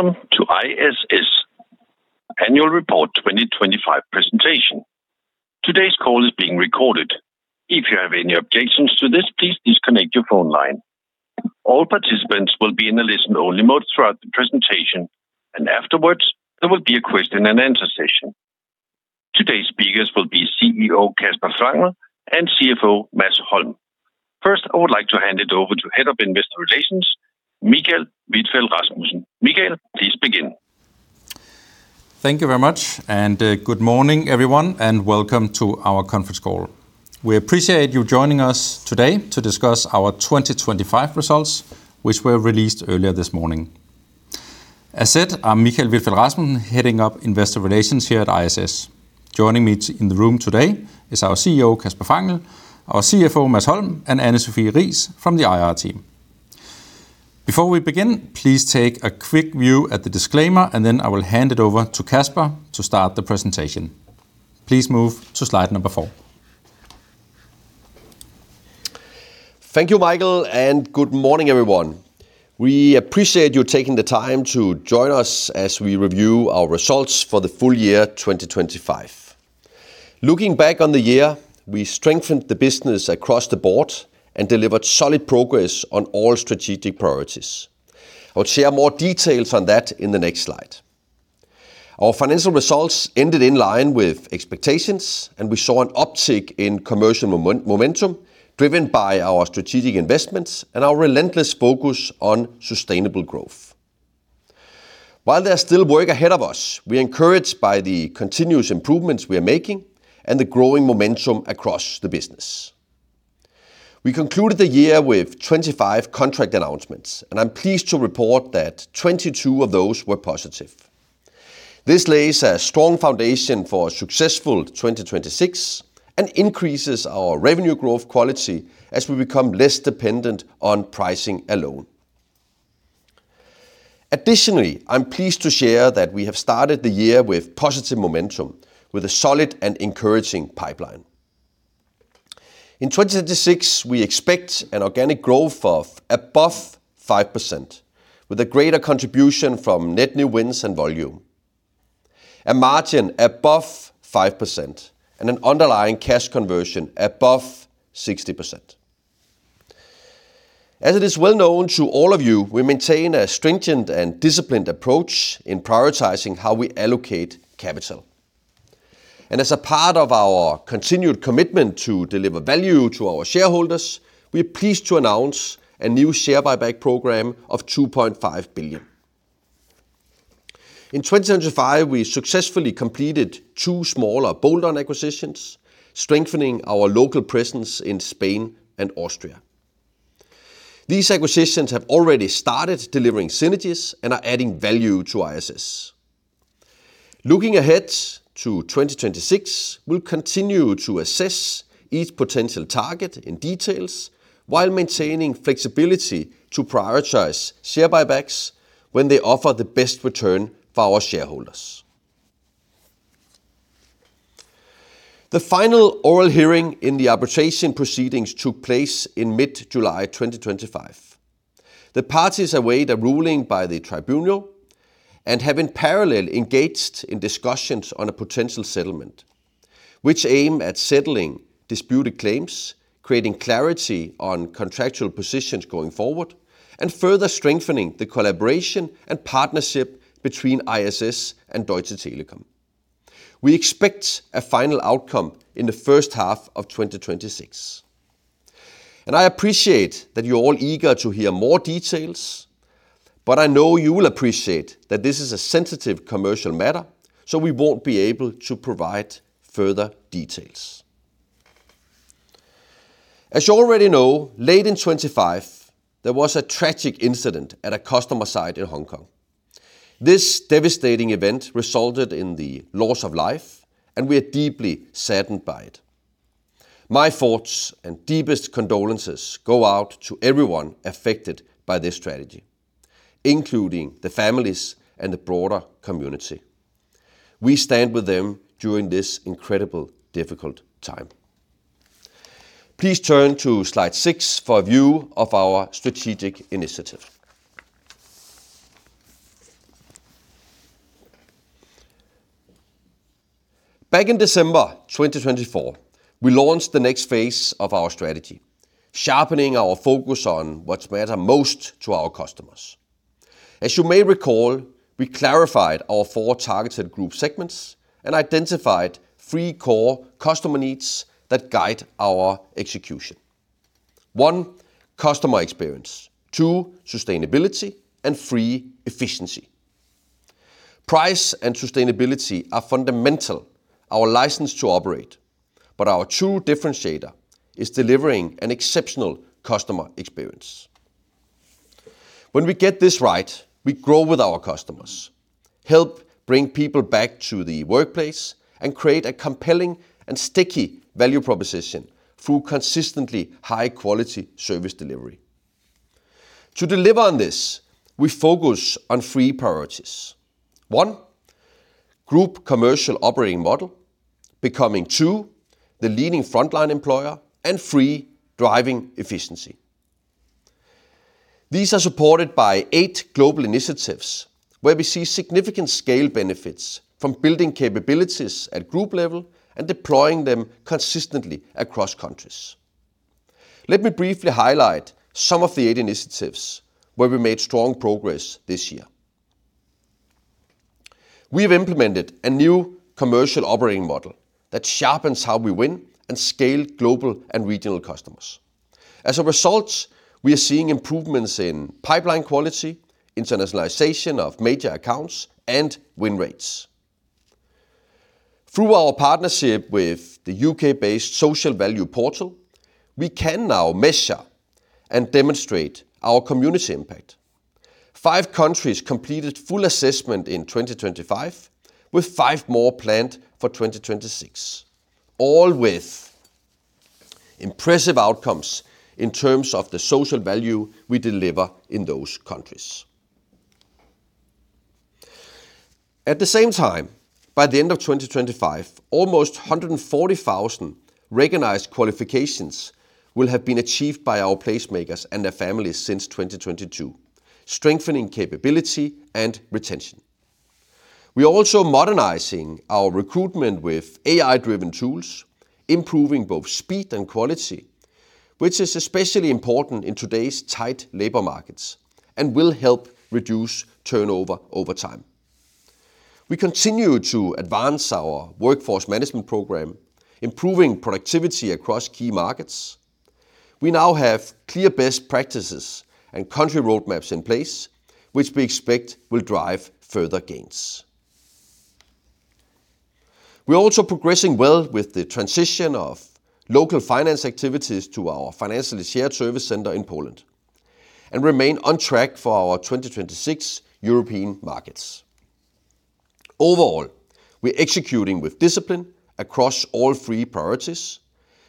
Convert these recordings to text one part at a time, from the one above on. Welcome to ISS Annual Report 2025 presentation. Today's call is being recorded. If you have any objections to this, please disconnect your phone line. All participants will be in a listen-only mode throughout the presentation, and afterwards, there will be a question and answer session. Today's speakers will be CEO Kasper Fangel and CFO Mads Holm. First, I would like to hand it over to Head of Investor Relations, Michael Vitfell- Rasmussen. Michael, please begin. Thank you very much, and good morning, everyone, and welcome to our conference call. We appreciate you joining us today to discuss our 2025 results, which were released earlier this morning. As said, I'm Michael Hvidtfeldt Rasmussen, heading up Investor Relations here at ISS. Joining me in the room today is our CEO, Kasper Fangel, our CFO, Mads Holm, and Anne-Sophie Riis from the IR team. Before we begin, please take a quick view at the disclaimer, and then I will hand it over to Kasper to start the presentation. Please move to slide number four. Thank you, Michael, and good morning, everyone. We appreciate you taking the time to join us as we review our results for the full year 2025. Looking back on the year, we strengthened the business across the board and delivered solid progress on all strategic priorities. I'll share more details on that in the next slide. Our financial results ended in line with expectations, and we saw an uptick in commercial momentum, driven by our strategic investments and our relentless focus on sustainable growth. While there's still work ahead of us, we are encouraged by the continuous improvements we are making and the growing momentum across the business. We concluded the year with 25 contract announcements, and I'm pleased to report that 22 of those were positive. This lays a strong foundation for a successful 2026 and increases our revenue growth quality as we become less dependent on pricing alone. Additionally, I'm pleased to share that we have started the year with positive momentum, with a solid and encouraging pipeline. In 2026, we expect an organic growth of above 5%, with a greater contribution from net new wins and volume, a margin above 5%, and an underlying cash conversion above 60%. As it is well known to all of you, we maintain a stringent and disciplined approach in prioritizing how we allocate capital, and as a part of our continued commitment to deliver value to our shareholders, we are pleased to announce a new share buyback program of 2.5 billion. In 2025, we successfully completed two smaller bolt-on acquisitions, strengthening our local presence in Spain and Austria. These acquisitions have already started delivering synergies and are adding value to ISS. Looking ahead to 2026, we'll continue to assess each potential target in detail while maintaining flexibility to prioritize share buybacks when they offer the best return for our shareholders. The final oral hearing in the arbitration proceedings took place in mid-July 2025. The parties await a ruling by the tribunal and have, in parallel, engaged in discussions on a potential settlement, which aim at settling disputed claims, creating clarity on contractual positions going forward, and further strengthening the collaboration and partnership between ISS and Deutsche Telekom. We expect a final outcome in the first half of 2026, and I appreciate that you're all eager to hear more details, but I know you will appreciate that this is a sensitive commercial matter, so we won't be able to provide further details. As you already know, late in 2025, there was a tragic incident at a customer site in Hong Kong. This devastating event resulted in the loss of life, and we are deeply saddened by it. My thoughts and deepest condolences go out to everyone affected by this tragedy, including the families and the broader community. We stand with them during this incredibly difficult time. Please turn to slide 6 for a view of our strategic initiative. Back in December 2024, we launched the next phase of our strategy, sharpening our focus on what matters most to our customers. As you may recall, we clarified our four targeted group segments and identified three core customer needs that guide our execution. One, customer experience. Two, sustainability. And three, efficiency. Price and sustainability are fundamental, our license to operate, but our true differentiator is delivering an exceptional customer experience. When we get this right, we grow with our customers, help bring people back to the workplace, and create a compelling and sticky value proposition through consistently high-quality service delivery. To deliver on this, we focus on three priorities. One, Group commercial operating model; two, becoming the leading frontline employer; and three, driving efficiency. These are supported by eight global initiatives, where we see significant scale benefits from building capabilities at group level and deploying them consistently across countries. Let me briefly highlight some of the eight initiatives where we made strong progress this year. We've implemented a new commercial operating model that sharpens how we win and scale global and regional customers. As a result, we are seeing improvements in pipeline quality, internationalization of major accounts, and win rates. Through our partnership with the U.K.-based Social Value Portal, we can now measure and demonstrate our community impact. Five countries completed full assessment in 2025, with five more planned for 2026, all with impressive outcomes in terms of the social value we deliver in those countries. At the same time, by the end of 2025, almost 140,000 recognized qualifications will have been achieved by our placemakers and their families since 2022, strengthening capability and retention. We are also modernizing our recruitment with AI-driven tools, improving both speed and quality, which is especially important in today's tight labor markets and will help reduce turnover over time. We continue to advance our workforce management program, improving productivity across key markets. We now have clear best practices and country roadmaps in place, which we expect will drive further gains. We are also progressing well with the transition of local finance activities to our financially shared service center in Poland, and remain on track for our 2026 European markets. Overall, we're executing with discipline across all three priorities,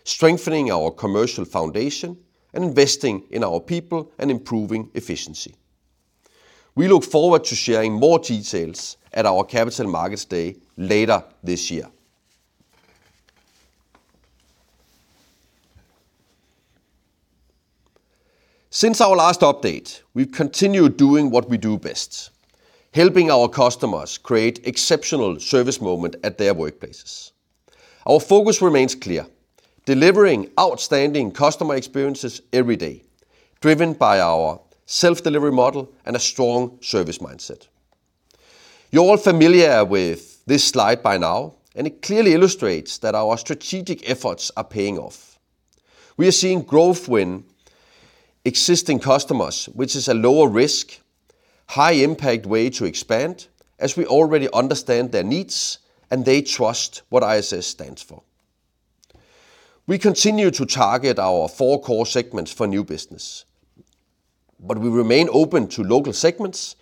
strengthening our commercial foundation, and investing in our people and improving efficiency. We look forward to sharing more details at our Capital Markets Day later this year. Since our last update, we've continued doing what we do best, helping our customers create exceptional service moment at their workplaces. Our focus remains clear: delivering outstanding customer experiences every day, driven by our self-delivery model and a strong service mindset. You're all familiar with this slide by now, and it clearly illustrates that our strategic efforts are paying off. We are seeing growth win existing customers, which is a lower risk, high-impact way to expand, as we already understand their needs and they trust what ISS stands for. We continue to target our four core segments for new business, but we remain open to local segments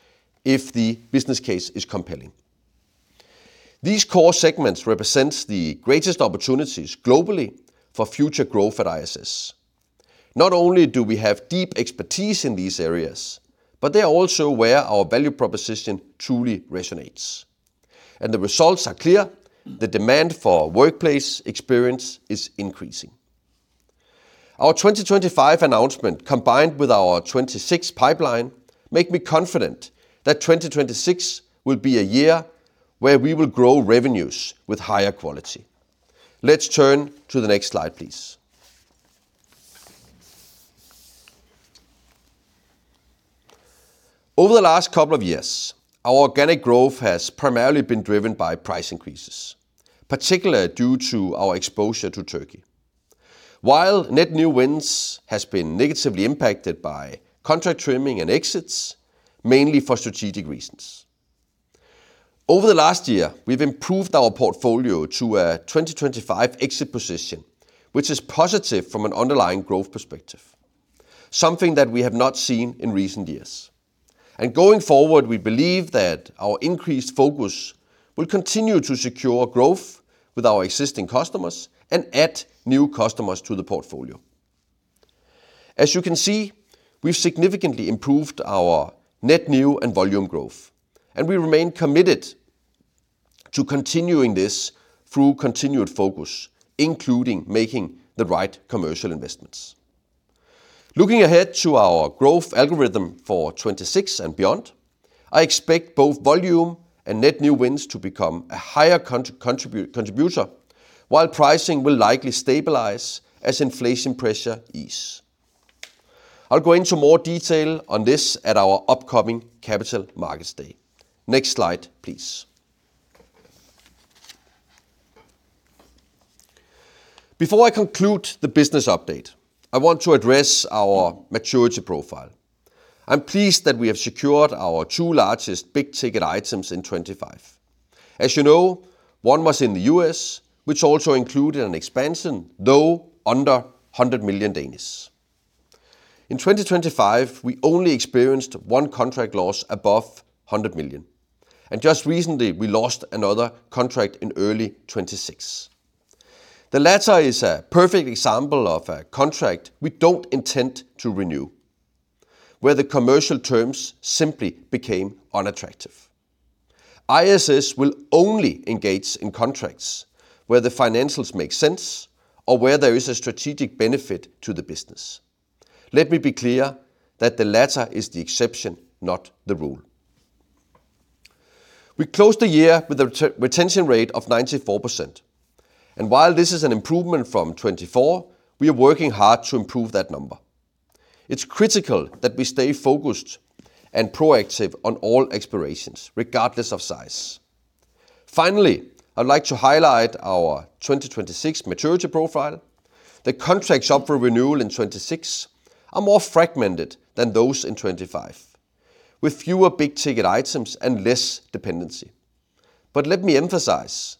if the business case is compelling. These core segments represent the greatest opportunities globally for future growth at ISS. Not only do we have deep expertise in these areas, but they are also where our value proposition truly resonates, and the results are clear. The demand for workplace experience is increasing. Our 2025 announcement, combined with our 2026 pipeline, make me confident that 2026 will be a year where we will grow revenues with higher quality. Let's turn to the next slide, please. Over the last couple of years, our organic growth has primarily been driven by price increases, particularly due to our exposure to Turkey, while net new wins has been negatively impacted by contract trimming and exits, mainly for strategic reasons. Over the last year, we've improved our portfolio to a 2025 exit position, which is positive from an underlying growth perspective, something that we have not seen in recent years. Going forward, we believe that our increased focus will continue to secure growth with our existing customers and add new customers to the portfolio. As you can see, we've significantly improved our net new and volume growth, and we remain committed to continuing this through continued focus, including making the right commercial investments. Looking ahead to our growth algorithm for 2026 and beyond, I expect both volume and net new wins to become a higher contributor, while pricing will likely stabilize as inflation pressure ease. I'll go into more detail on this at our upcoming Capital Markets Day. Next slide, please. Before I conclude the business update, I want to address our maturity profile. I'm pleased that we have secured our two largest big-ticket items in 2025. As you know, one was in the U.S., which also included an expansion, though under 100 million. In 2025, we only experienced one contract loss above 100 million, and just recently, we lost another contract in early 2026. The latter is a perfect example of a contract we don't intend to renew, where the commercial terms simply became unattractive. ISS will only engage in contracts where the financials make sense or where there is a strategic benefit to the business. Let me be clear that the latter is the exception, not the rule. We closed the year with a retention rate of 94%, and while this is an improvement from 24, we are working hard to improve that number. It's critical that we stay focused and proactive on all expirations, regardless of size. Finally, I'd like to highlight our 2026 maturity profile. The contracts up for renewal in 2026 are more fragmented than those in 2025, with fewer big-ticket items and less dependency. But let me emphasize,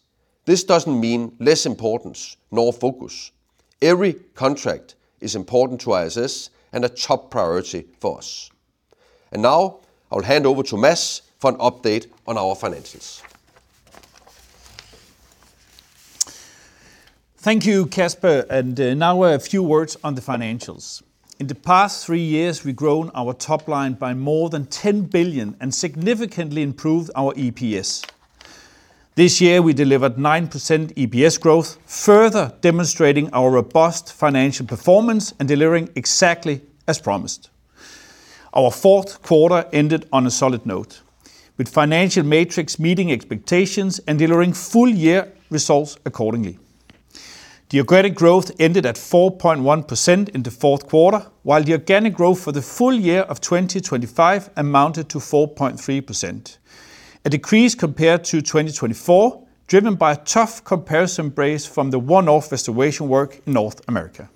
this doesn't mean less importance nor focus. Every contract is important to ISS and a top priority for us. Now I'll hand over to Mads for an update on our financials. Thank you, Kasper, and now a few words on the financials. In the past three years, we've grown our top line by more than 10 billion and significantly improved our EPS. This year, we delivered 9% EPS growth, further demonstrating our robust financial performance and delivering exactly as promised. Our Q4 ended on a solid note, with financial metrics meeting expectations and delivering full-year results accordingly. The organic growth ended at 4.1% in the fourth quarter, while the organic growth for the full year of 2025 amounted to 4.3%, a decrease compared to 2024, driven by a tough comparison base from the one-off restoration work in North America.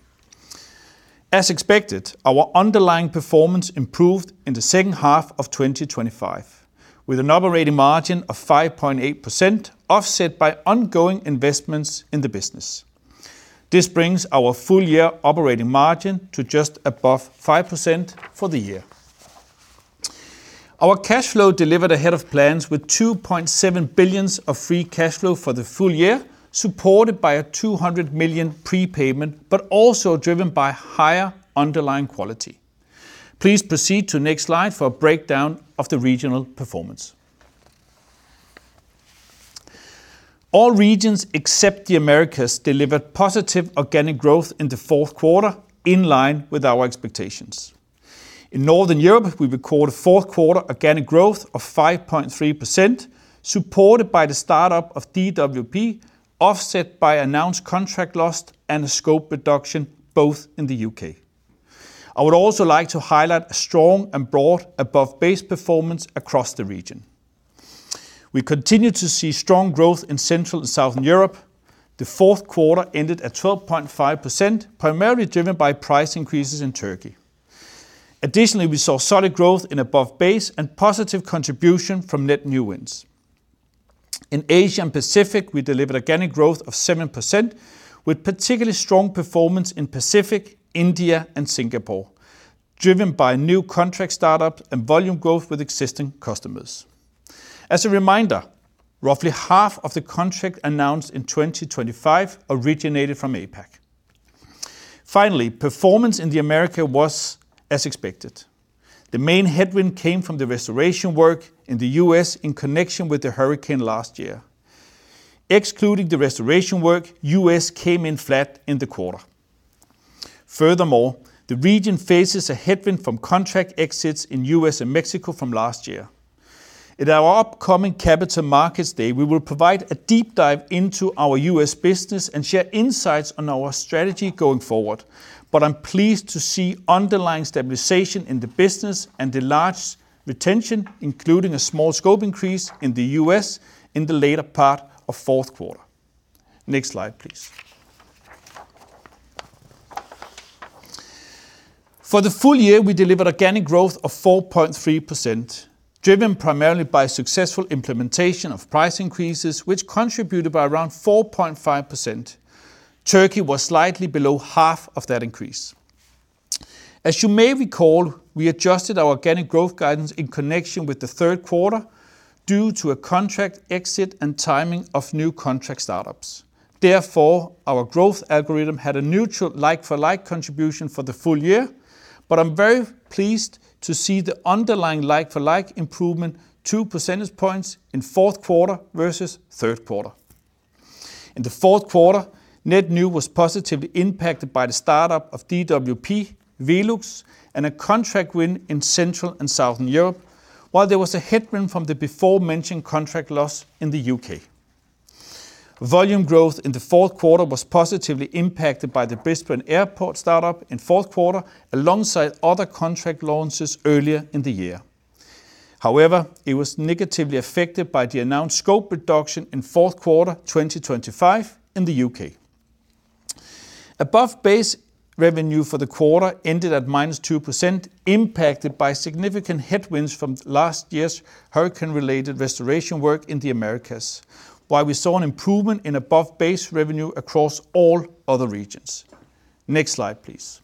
As expected, our underlying performance improved in the second half of 2025, with an operating margin of 5.8%, offset by ongoing investments in the business. This brings our full-year operating margin to just above 5% for the year. Our cash flow delivered ahead of plans, with 2.7 billion of free cash flow for the full year, supported by a 200 million prepayment, but also driven by higher underlying quality. Please proceed to next slide for a breakdown of the regional performance. All regions, except the Americas, delivered positive organic growth in the Q4, in line with our expectations. In Northern Europe, we recorded a Q4 organic growth of 5.3%, supported by the startup of DWP, offset by announced contract loss and a scope reduction, both in the UK. I would also like to highlight a strong and broad above-base performance across the region. We continue to see strong growth in Central and Southern Europe. The Q4 ended at 12.5%, primarily driven by price increases in Turkey. Additionally, we saw solid growth in above base and positive contribution from net new wins. In Asia and Pacific, we delivered organic growth of 7%, with particularly strong performance in Pacific, India, and Singapore, driven by new contract startups and volume growth with existing customers. As a reminder, roughly half of the contract announced in 2025 originated from APAC. Finally, performance in the Americas was as expected. The main headwind came from the restoration work in the US in connection with the hurricane last year. Excluding the restoration work, US came in flat in the quarter. Furthermore, the region faces a headwind from contract exits in US and Mexico from last year. At our upcoming Capital Markets Day, we will provide a deep dive into our U.S. business and share insights on our strategy going forward. I'm pleased to see underlying stabilization in the business and the large retention, including a small scope increase in the U.S. in the later part of Q4 Next slide, please. For the full year, we delivered organic growth of 4.3%, driven primarily by successful implementation of price increases, which contributed by around 4.5%. Turkey was slightly below half of that increase. As you may recall, we adjusted our organic growth guidance in connection with the Q3 due to a contract exit and timing of new contract startups. Therefore, our growth algorithm had a neutral like-for-like contribution for the full year, but I'm very pleased to see the underlying like-for-like improvement 2 percentage points in Q4 versus Q3. In the Q4, net new was positively impacted by the startup of DWP, VELUX, and a contract win in Central and Southern Europe, while there was a headwind from the aforementioned contract loss in the U.K. Volume growth in theQ4 was positively impacted by the Brisbane Airport startup in Q4, alongside other contract launches earlier in the year. However, it was negatively affected by the announced scope reduction in Q4 2025 in the U.K. Above-base revenue for the quarter ended at -2%, impacted by significant headwinds from last year's hurricane-related restoration work in the Americas, while we saw an improvement in above-base revenue across all other regions. Next slide, please.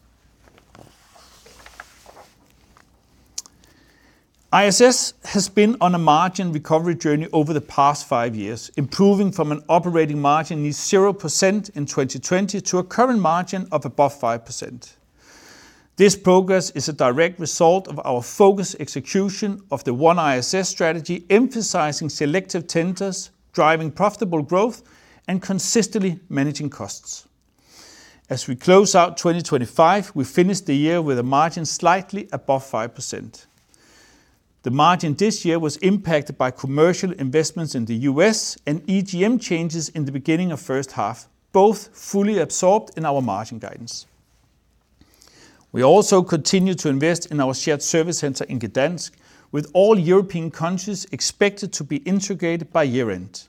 ISS has been on a margin recovery journey over the past five years, improving from an operating margin near 0% in 2020 to a current margin of above 5%. This progress is a direct result of our focused execution of the One ISS strategy, emphasizing selective tenders, driving profitable growth, and consistently managing costs. As we close out 2025, we finished the year with a margin slightly above 5%. The margin this year was impacted by commercial investments in the U.S. and EGM changes in the beginning of first half, both fully absorbed in our margin guidance. We also continued to invest in our shared service center in Gdańsk, with all European countries expected to be integrated by year-end.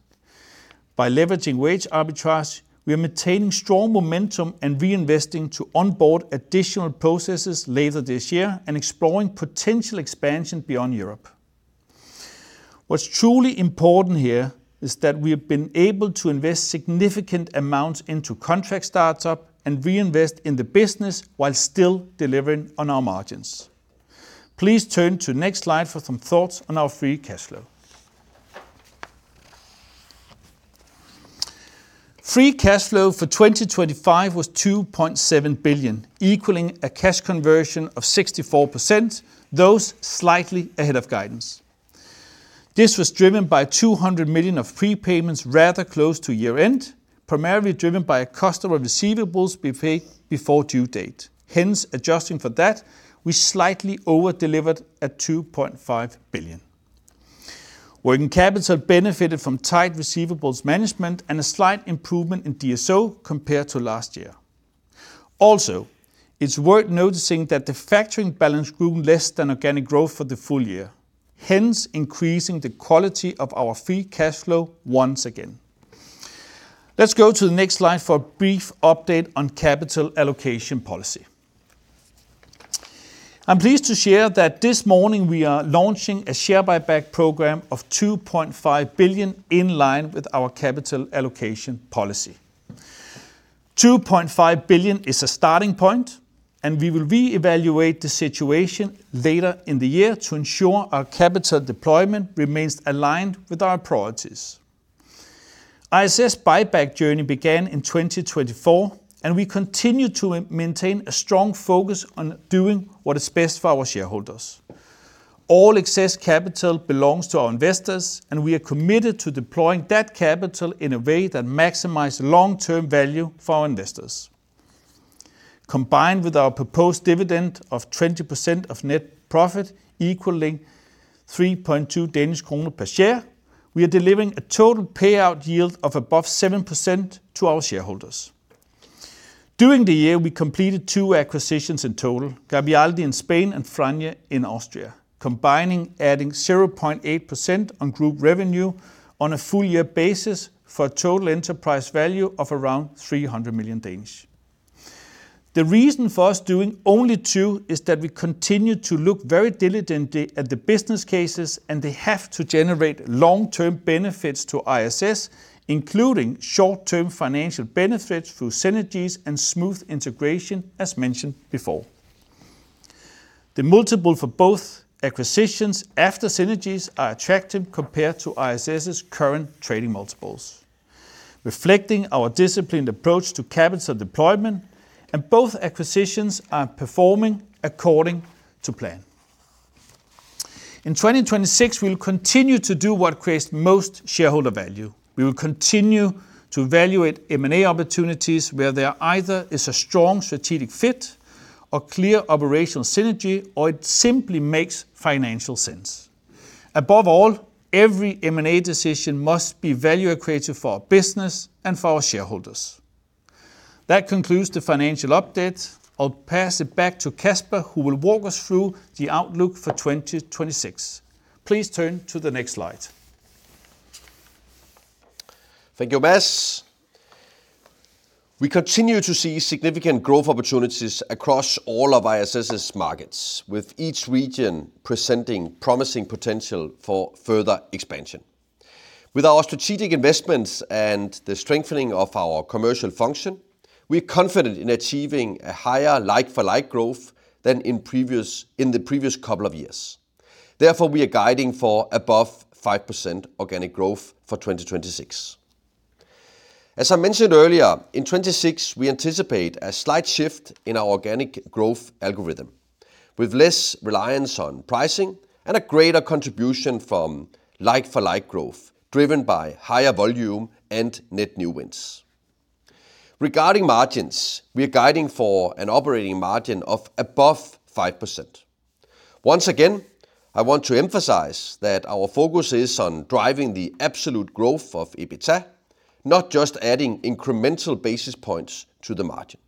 By leveraging wage arbitrage, we are maintaining strong momentum and reinvesting to onboard additional processes later this year and exploring potential expansion beyond Europe. What's truly important here is that we have been able to invest significant amounts into contract startup and reinvest in the business while still delivering on our margins. Please turn to next slide for some thoughts on our free cash flow. Free cash flow for 2025 was 2.7 billion, equaling a cash conversion of 64%, those slightly ahead of guidance. This was driven by 200 million of prepayments rather close to year-end, primarily driven by customer receivables be paid before due date. Hence, adjusting for that, we slightly over-delivered at 2.5 billion. Working capital benefited from tight receivables management and a slight improvement in DSO compared to last year. Also, it's worth noticing that the factoring balance grew less than organic growth for the full year, hence increasing the quality of our free cash flow once again. Let's go to the next slide for a brief update on capital allocation policy. I'm pleased to share that this morning we are launching a share buyback program of 2.5 billion, in line with our capital allocation policy. 2.5 billion is a starting point, and we will reevaluate the situation later in the year to ensure our capital deployment remains aligned with our priorities. ISS buyback journey began in 2024, and we continue to maintain a strong focus on doing what is best for our shareholders. All excess capital belongs to our investors, and we are committed to deploying that capital in a way that maximize long-term value for our investors. Combined with our proposed dividend of 20% of net profit, equaling 3.2 Danish kroner per share, we are delivering a total payout yield of above 7% to our shareholders. During the year, we completed two acquisitions in total, Garbialdi in Spain and Franye in Austria, combining adding 0.8% on group revenue on a full year basis for a total enterprise value of around 300 million. The reason for us doing only two is that we continue to look very diligently at the business cases, and they have to generate long-term benefits to ISS, including short-term financial benefits through synergies and smooth integration, as mentioned before. The multiple for both acquisitions after synergies are attractive compared to ISS's current trading multiples, reflecting our disciplined approach to capital deployment, and both acquisitions are performing according to plan. In 2026, we'll continue to do what creates most shareholder value. We will continue to evaluate M&A opportunities where there either is a strong strategic fit or clear operational synergy, or it simply makes financial sense. Above all, every M&A decision must be value accretive for our business and for our shareholders. That concludes the financial update. I'll pass it back to Kasper, who will walk us through the outlook for 2026. Please turn to the next slide. Thank you, Mads. We continue to see significant growth opportunities across all of ISS's markets, with each region presenting promising potential for further expansion. With our strategic investments and the strengthening of our commercial function, we're confident in achieving a higher like-for-like growth than in previous... in the previous couple of years. Therefore, we are guiding for above 5% organic growth for 2026. As I mentioned earlier, in 2026, we anticipate a slight shift in our organic growth algorithm, with less reliance on pricing and a greater contribution from like-for-like growth, driven by higher volume and net new wins. Regarding margins, we are guiding for an operating margin of above 5%. Once again, I want to emphasize that our focus is on driving the absolute growth of EBITDA, not just adding incremental basis points to the margin.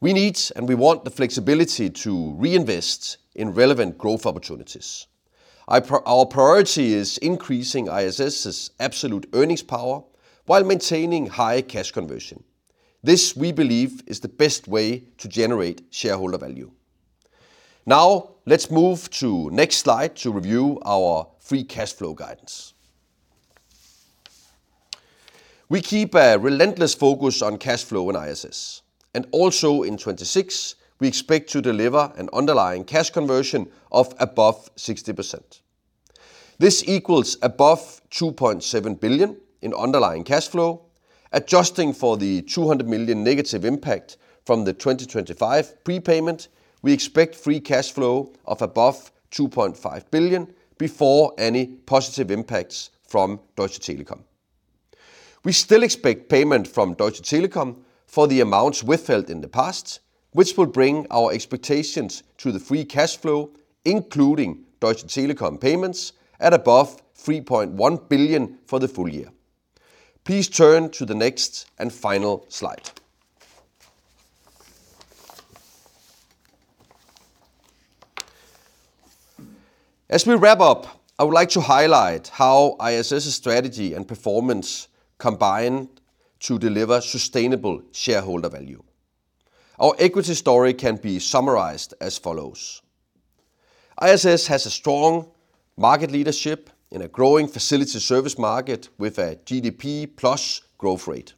We need, and we want the flexibility to reinvest in relevant growth opportunities. Our priority is increasing ISS's absolute earnings power while maintaining high cash conversion. This, we believe, is the best way to generate shareholder value. Now, let's move to next slide to review our free cash flow guidance. We keep a relentless focus on cash flow in ISS, and also in 2026, we expect to deliver an underlying cash conversion of above 60%. This equals above 2.7 billion in underlying cash flow, adjusting for the 200 million negative impact from the 2025 prepayment, we expect free cash flow of above 2.5 billion before any positive impacts from Deutsche Telekom. We still expect payment from Deutsche Telekom for the amounts withheld in the past, which will bring our expectations to the free cash flow, including Deutsche Telekom payments, at above 3.1 billion for the full year. Please turn to the next and final slide. As we wrap up, I would like to highlight how ISS's strategy and performance combine to deliver sustainable shareholder value. Our equity story can be summarized as follows: ISS has a strong market leadership in a growing facility service market with a GDP plus growth rate.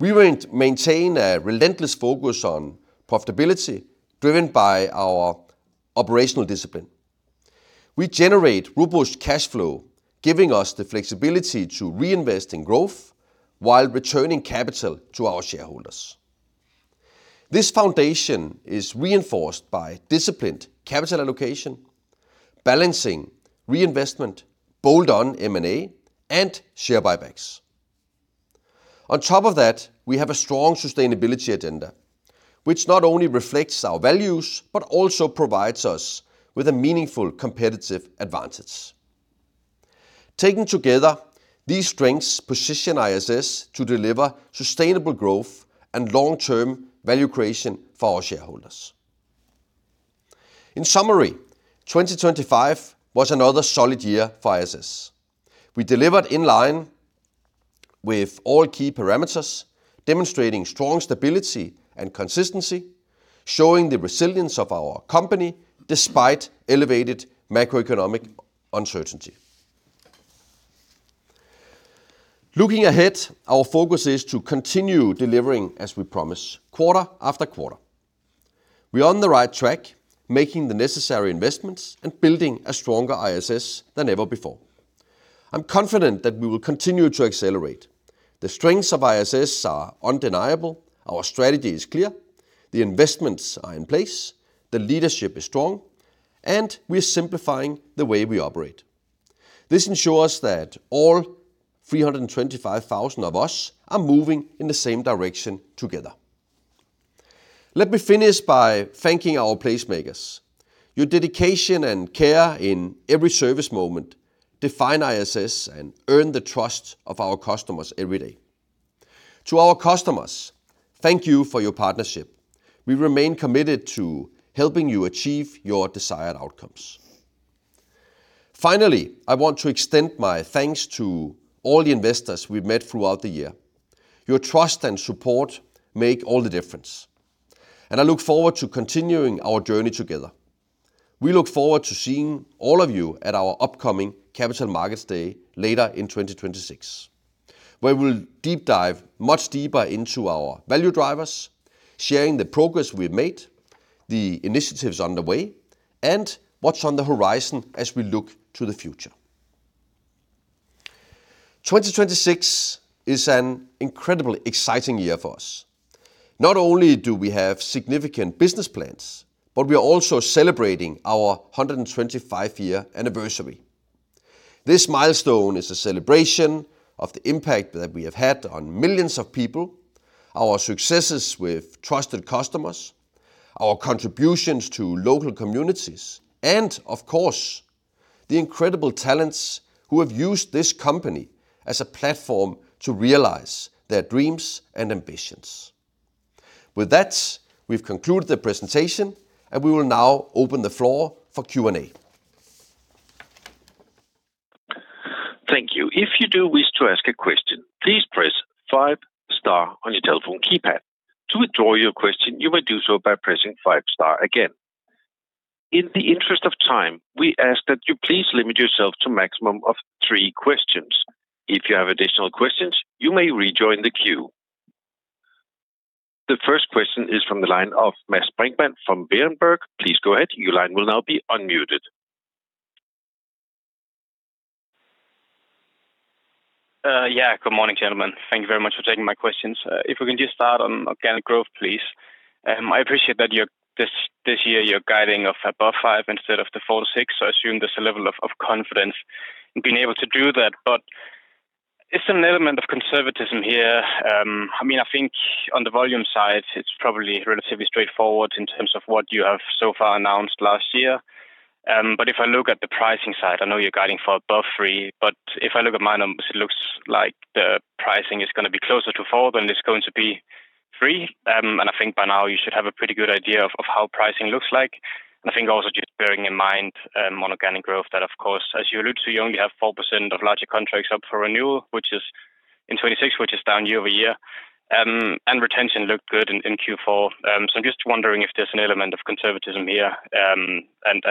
We will maintain a relentless focus on profitability, driven by our operational discipline. We generate robust cash flow, giving us the flexibility to reinvest in growth while returning capital to our shareholders. This foundation is reinforced by disciplined capital allocation, balancing reinvestment, bolt-on M&A, and share buybacks. On top of that, we have a strong sustainability agenda, which not only reflects our values, but also provides us with a meaningful competitive advantage. Taken together, these strengths position ISS to deliver sustainable growth and long-term value creation for our shareholders. In summary, 2025 was another solid year for ISS. We delivered in line with all key parameters, demonstrating strong stability and consistency, showing the resilience of our company despite elevated macroeconomic uncertainty. Looking ahead, our focus is to continue delivering as we promise, quarter after quarter. We're on the right track, making the necessary investments and building a stronger ISS than ever before. I'm confident that we will continue to accelerate. The strengths of ISS are undeniable, our strategy is clear, the investments are in place, the leadership is strong, and we are simplifying the way we operate. This ensures that all 325,000 of us are moving in the same direction together. Let me finish by thanking our placemakers. Your dedication and care in every service moment define ISS and earn the trust of our customers every day. To our customers, thank you for your partnership. We remain committed to helping you achieve your desired outcomes. Finally, I want to extend my thanks to all the investors we've met throughout the year. Your trust and support make all the difference, and I look forward to continuing our journey together. We look forward to seeing all of you at our upcoming Capital Markets Day later in 2026, where we'll deep dive much deeper into our value drivers, sharing the progress we've made, the initiatives on the way, and what's on the horizon as we look to the future. 2026 is an incredibly exciting year for us. Not only do we have significant business plans, but we are also celebrating our 125-year anniversary. This milestone is a celebration of the impact that we have had on millions of people, our successes with trusted customers, our contributions to local communities, and of course, the incredible talents who have used this company as a platform to realize their dreams and ambitions. With that, we've concluded the presentation, and we will now open the floor for Q&A. Thank you. If you do wish to ask a question, please press five star on your telephone keypad. To withdraw your question, you may do so by pressing five star again. In the interest of time, we ask that you please limit yourself to maximum of three questions. If you have additional questions, you may rejoin the queue. The first question is from the line of Mads Brinkmann from Berenberg. Please go ahead. Your line will now be unmuted. Yeah, good morning, gentlemen. Thank you very much for taking my questions. If we can just start on organic growth, please. I appreciate that you're—this, this year, you're guiding of above 5 instead of the 4-6, so I assume there's a level of, of confidence in being able to do that. But is there an element of conservatism here? I mean, I think on the volume side, it's probably relatively straightforward in terms of what you have so far announced last year. But if I look at the pricing side, I know you're guiding for above 3, but if I look at my numbers, it looks like the pricing is gonna be closer to 4 than it's going to be 3. And I think by now you should have a pretty good idea of, of how pricing looks like. I think also just bearing in mind, on organic growth, that of course, as you allude to, you only have 4% of larger contracts up for renewal, which is in 2026, which is down year-over-year. And retention looked good in Q4. So I'm just wondering if there's an element of conservatism here, and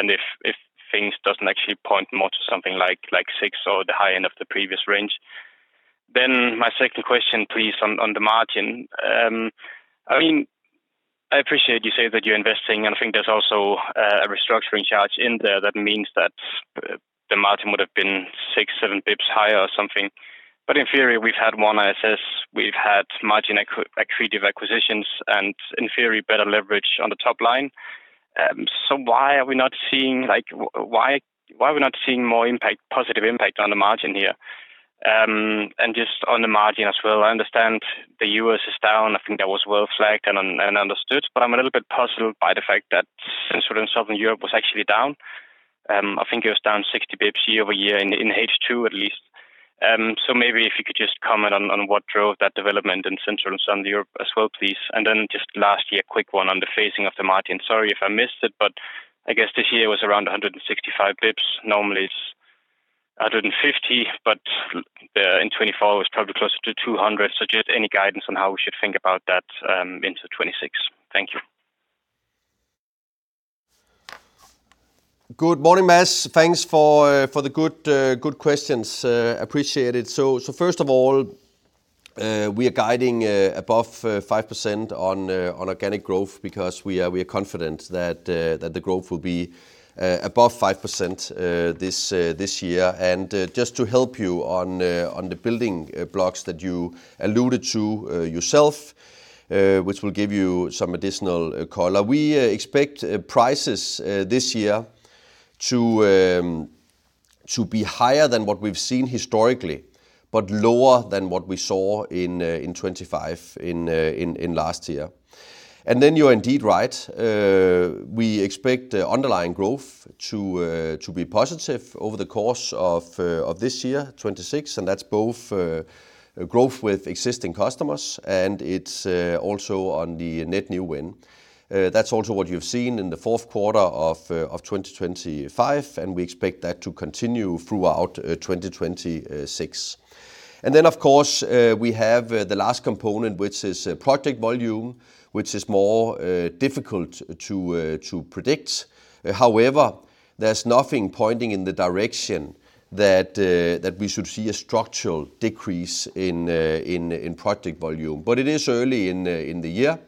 if things doesn't actually point more to something like 6 or the high end of the previous range? Then my second question, please, on the margin. I mean, I appreciate you say that you're investing, and I think there's also a restructuring charge in there that means that the margin would have been 6-7 basis points higher or something. But in theory, we've had One ISS, we've had margin accretive acquisitions, and in theory, better leverage on the top line. So why are we not seeing, like, why, why are we not seeing more impact, positive impact on the margin here? And just on the margin as well, I understand the U.S. is down. I think that was well flagged and understood, but I'm a little bit puzzled by the fact that Central and Southern Europe was actually down. I think it was down 60 basis points year-over-year in H2 at least. So maybe if you could just comment on what drove that development in Central and Southern Europe as well, please. And then just lastly, a quick one on the phasing of the margin. Sorry if I missed it, but I guess this year was around 165 basis points. Normally, it's 150, but in 2024, it was probably closer to 200. Just any guidance on how we should think about that into 2026? Thank you. Good morning, Mads. Thanks for the good questions. Appreciate it. So first of all, we are guiding above 5% on organic growth because we are confident that the growth will be above 5% this year. And just to help you on the building blocks that you alluded to yourself, which will give you some additional color. We expect prices this year to be higher than what we've seen historically, but lower than what we saw in 2025, in last year. And then you're indeed right. We expect the underlying growth to be positive over the course of this year, 2026, and that's both growth with existing customers, and it's also on the net new win. That's also what you've seen in the fourth quarter of 2025, and we expect that to continue throughout 2026. And then, of course, we have the last component, which is project volume, which is more difficult to predict. However, there's nothing pointing in the direction that we should see a structural decrease in project volume. But it is early in the year.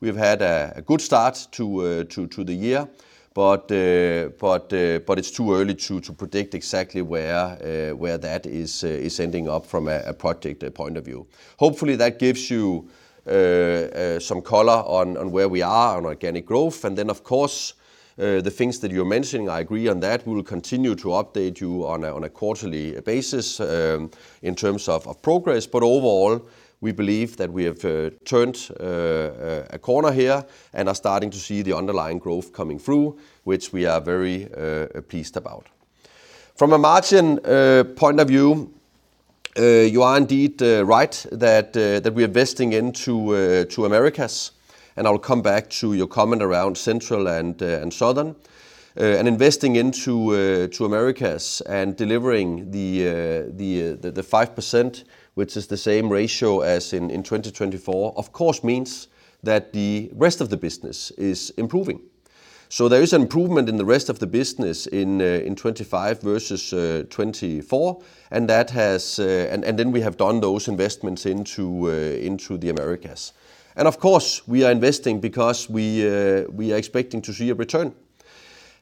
We've had a good start to the year, but it's too early to predict exactly where that is ending up from a project point of view. Hopefully, that gives you some color on where we are on organic growth. And then, of course, the things that you're mentioning, I agree on that. We will continue to update you on a quarterly basis, in terms of progress, but overall, we believe that we have turned a corner here and are starting to see the underlying growth coming through, which we are very pleased about. From a margin point of view, you are indeed right that we're investing into the Americas, and I'll come back to your comment around Central and Southern. And investing into the Americas and delivering the 5%, which is the same ratio as in 2024, of course, means that the rest of the business is improving. So there is improvement in the rest of the business in 2025 versus 2024, and that has. And then we have done those investments into the Americas. And of course, we are investing because we are expecting to see a return.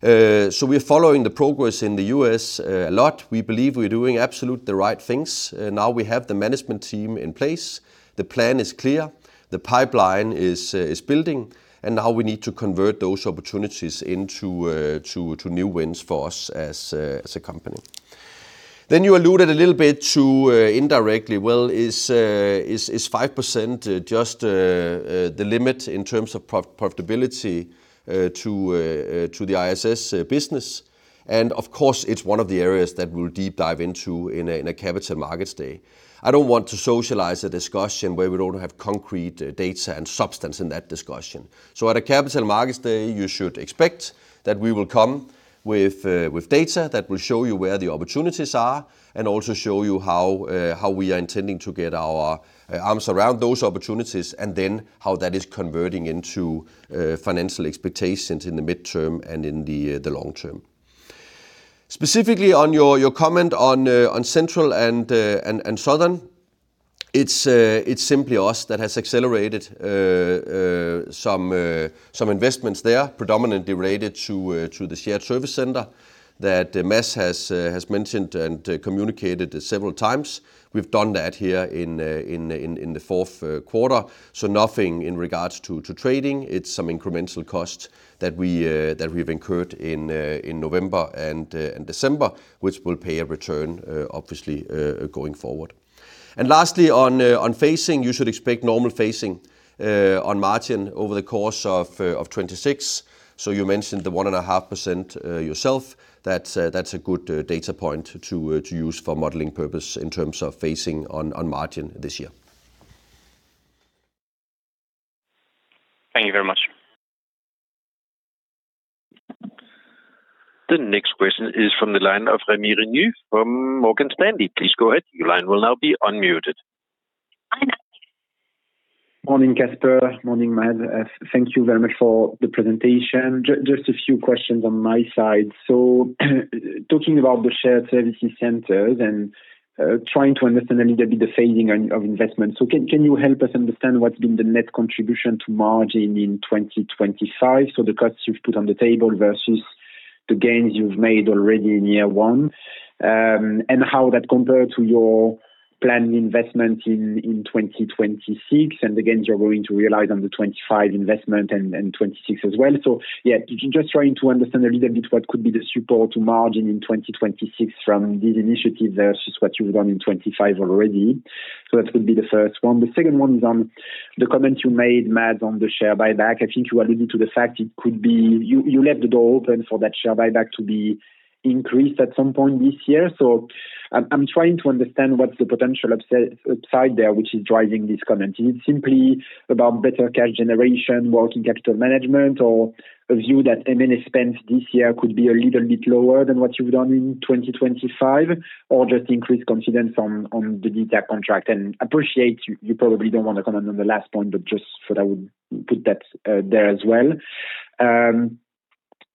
So we're following the progress in the US a lot. We believe we're doing absolutely the right things. Now we have the management team in place. The plan is clear, the pipeline is building, and now we need to convert those opportunities into new wins for us as a company. Then you alluded a little bit to indirectly, well, is 5% just the limit in terms of profitability to the ISS business? And of course, it's one of the areas that we'll deep dive into in a Capital Markets Day. I don't want to socialize a discussion where we don't have concrete data and substance in that discussion. At a Capital Markets Day, you should expect that we will come with data that will show you where the opportunities are and also show you how we are intending to get our arms around those opportunities, and then how that is converting into financial expectations in the midterm and in the long term. Specifically, on your comment on Central and Southern, it's simply us that has accelerated some investments there, predominantly related to the shared service center that Mads has mentioned and communicated several times. We've done that here in the fourth quarter, so nothing in regards to trading. It's some incremental costs that we, that we've incurred in, in November and, and December, which will pay a return, obviously, going forward. And lastly, on, on phasing, you should expect normal phasing, on margin over the course of, of 2026. So you mentioned the 1.5%, yourself. That's, that's a good, data point to, to use for modeling purpose in terms of phasing on, on margin this year. Thank you very much. The next question is from the line of Remy Reneu from Morgan Stanley. Please go ahead. Your line will now be unmuted. Morning, Kasper. Morning, Mads. Thank you very much for the presentation. Just a few questions on my side. So, talking about the shared services centers and trying to understand a little bit the phasing on of investment. So can you help us understand what's been the net contribution to margin in 2025? So the cuts you've put on the table versus the gains you've made already in year one, and how that compare to your planned investment in 2026, and the gains you're going to realize on the 2025 investment and 2026 as well. So yeah, just trying to understand a little bit what could be the support to margin in 2026 from these initiatives versus what you've done in 2025 already. So that's gonna be the first one. The second one is on the comment you made, Mads, on the share buyback. I think you alluded to the fact it could be... You left the door open for that share buyback to be increased at some point this year. So I'm trying to understand what's the potential upside there, which is driving this comment. Is it simply about better cash generation, working capital management, or a view that M&A spends this year could be a little bit lower than what you've done in 2025, or just increased confidence on the DTAC contract? And appreciate you probably don't want to comment on the last point, but just thought I would put that there as well.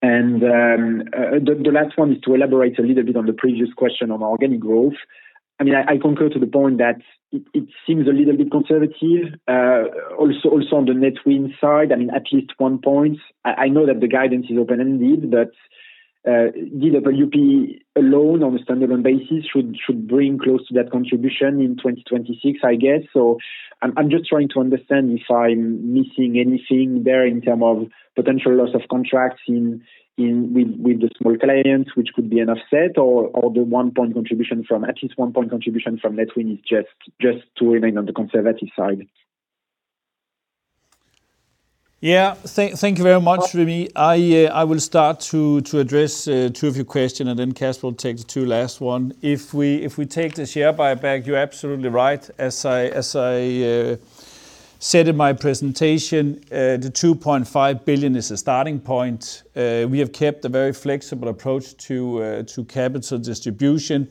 And the last one is to elaborate a little bit on the previous question on organic growth. I mean, I concur to the point that it seems a little bit conservative, also on the net win side, I mean, at least 1 point. I know that the guidance is open-ended, but DWP alone on a standalone basis should bring close to that contribution in 2026, I guess. So I'm just trying to understand if I'm missing anything there in terms of potential loss of contracts with the small clients, which could be an offset, or the at least 1 point contribution from net win is just to remain on the conservative side. Yeah. Thank, thank you very much, Remy. I will start to address two of your question, and then Kasper will take the two last one. If we take the share buyback, you're absolutely right. As I said in my presentation, the 2.5 billion is a starting point. We have kept a very flexible approach to capital distribution,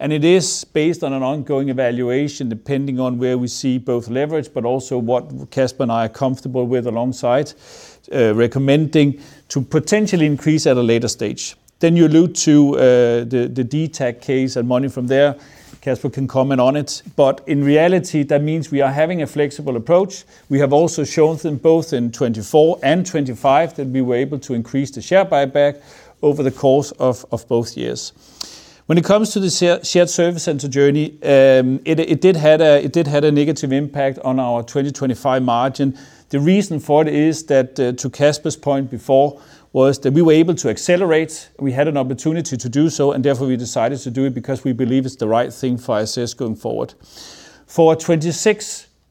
and it is based on an ongoing evaluation, depending on where we see both leverage, but also what Kasper and I are comfortable with alongside recommending to potentially increase at a later stage. Then you allude to the DTAC case and money from there. Kasper can comment on it, but in reality, that means we are having a flexible approach. We have also shown them, both in 2024 and 2025, that we were able to increase the share buyback over the course of both years. When it comes to the shared service center journey, it did have a negative impact on our 2025 margin. The reason for it is that, to Kasper's point before, we were able to accelerate. We had an opportunity to do so, and therefore, we decided to do it because we believe it's the right thing for ISS going forward. For 2026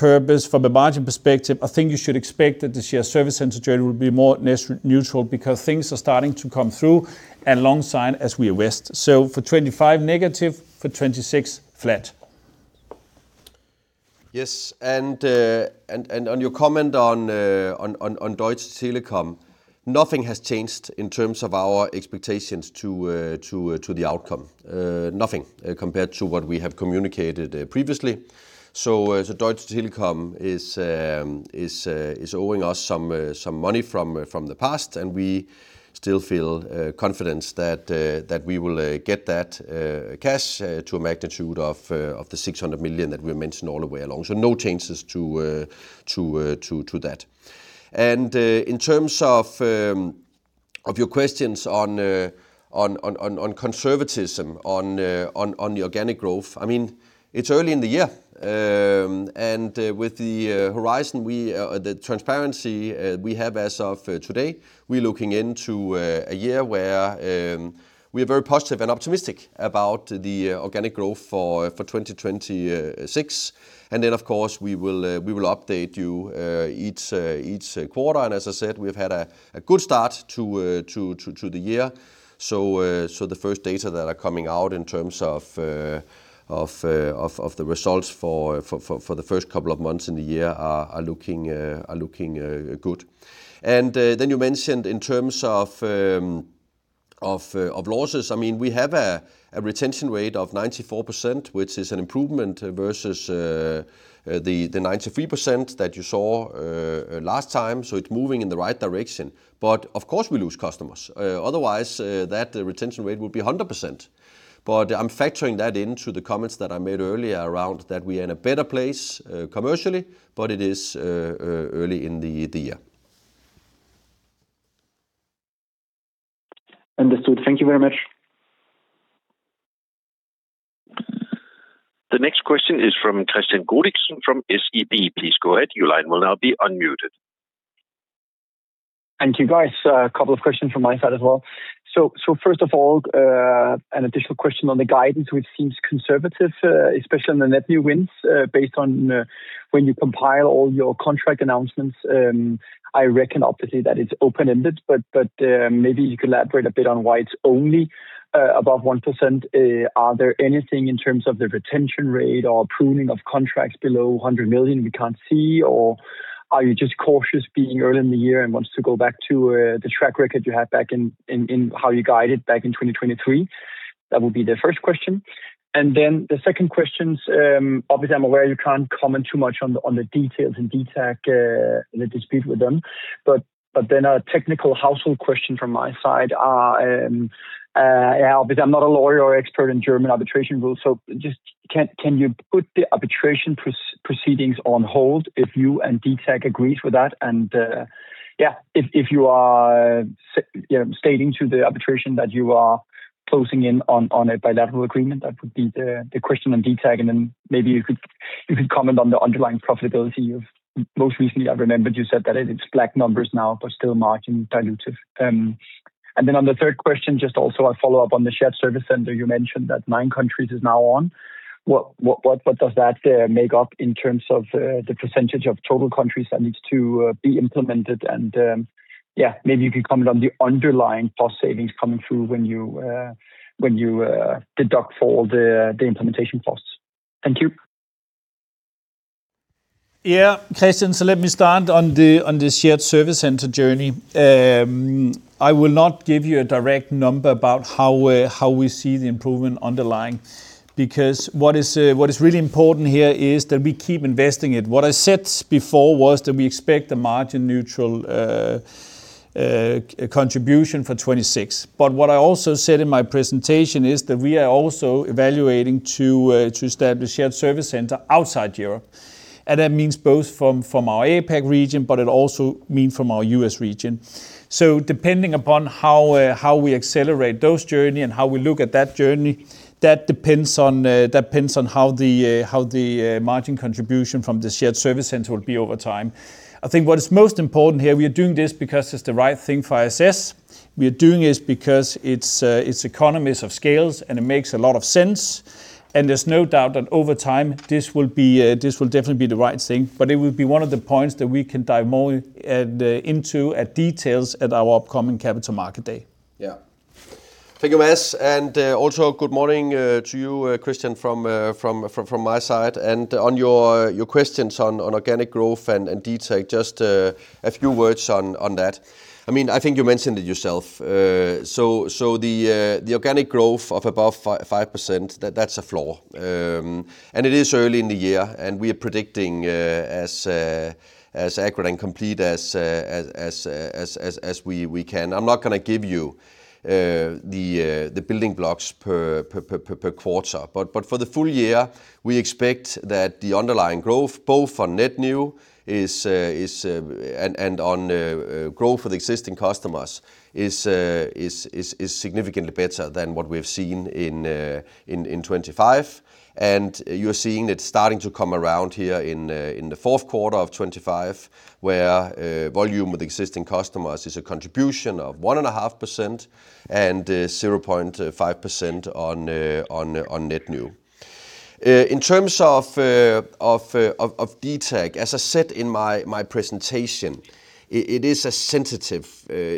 purposes, from a margin perspective, I think you should expect that the shared service center journey will be more neutral, because things are starting to come through alongside as we invest. So for 2025, negative. For 2026, flat. Yes, and on your comment on Deutsche Telekom, nothing has changed in terms of our expectations to the outcome. Nothing compared to what we have communicated previously. So, so Deutsche Telekom is owing us some money from the past, and we still feel confidence that we will get that cash to a magnitude of 600 million that we mentioned all the way along. So no changes to that. And in terms of your questions on conservatism on the organic growth, I mean, it's early in the year. And with the horizon, the transparency we have as of today, we're looking into a year where we are very positive and optimistic about the organic growth for 2026. And then, of course, we will update you each quarter. And as I said, we've had a good start to the year. So the first data that are coming out in terms of the results for the first couple of months in the year are looking good. And then you mentioned in terms of losses. I mean, we have a retention rate of 94%, which is an improvement versus the 93% that you saw last time. So it's moving in the right direction. But of course, we lose customers. Otherwise, that retention rate would be 100%. But I'm factoring that into the comments that I made earlier around that we are in a better place commercially, but it is early in the year. Understood. Thank you very much. The next question is from Kristian Godiksen from SEB. Please go ahead. Your line will now be unmuted. Thank you, guys. A couple of questions from my side as well. So, first of all, an additional question on the guidance, which seems conservative, especially on the net new wins. Based on when you compile all your contract announcements, I reckon obviously that it's open-ended, but maybe you can elaborate a bit on why it's only above 1%. Are there anything in terms of the retention rate or pruning of contracts below 100 million we can't see? Or are you just cautious being early in the year and want to go back to the track record you had back in how you guided back in 2023? That would be the first question. And then the second question, obviously, I'm aware you can't comment too much on the, on the details in Deutsche Telekom, the dispute with them, but, but then a technical household question from my side. Yeah, but I'm not a lawyer or expert in German arbitration rules, so just can you put the arbitration proceedings on hold if you and Deutsche Telekom agrees with that? And, yeah, if you are stating to the arbitration that you are closing in on, on a bilateral agreement, that would be the, the question on Deutsche Telekom, and then maybe you could, you could comment on the underlying profitability of... Most recently, I remembered you said that it's black numbers now, but still margin dilutive. And then on the third question, just also a follow-up on the shared service center, you mentioned that nine countries is now on. What does that make up in terms of the percentage of total countries that needs to be implemented? And yeah, maybe you could comment on the underlying cost savings coming through when you deduct for all the implementation costs. Thank you. Yeah, Christian, so let me start on the shared service center journey. I will not give you a direct number about how we see the improvement underlying, because what is really important here is that we keep investing it. What I said before was that we expect a margin neutral contribution for 2026. But what I also said in my presentation is that we are also evaluating to establish shared service center outside Europe, and that means both from our APAC region, but it also mean from our US region. So depending upon how we accelerate those journey and how we look at that journey, that depends on how the margin contribution from the shared service center will be over time. I think what is most important here, we are doing this because it's the right thing for ISS. We are doing this because it's, it's economies of scale, and it makes a lot of sense, and there's no doubt that over time, this will be, this will definitely be the right thing. But it will be one of the points that we can dive more into details at our upcoming Capita l Markets Day. Yeah. Thank you, Mads, and, also good morning, to you, Christian, from, from, from my side, and on your, your questions on, on organic growth and, and Deutsche Telekom, just, a few words on, on that. I mean, I think you mentioned it yourself, so, so the, the organic growth of above 5%, that, that's a floor. And it is early in the year, and we are predicting as accurate and complete as we can. I'm not gonna give you the building blocks per quarter. But for the full year, we expect that the underlying growth, both on net new and on growth for the existing customers, is significantly better than what we've seen in 2025. And you're seeing it starting to come around here in the fourth quarter of 2025, where volume with existing customers is a contribution of 1.5% and 0.5% on net new. In terms of Deutsche Telekom, as I said in my presentation, it is a sensitive